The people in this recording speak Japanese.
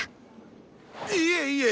いえいえ！